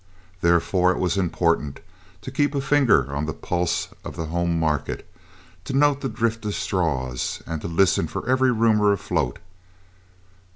Therefore it was important to keep a finger on the pulse of the home market, to note the drift of straws, and to listen for every rumor afloat.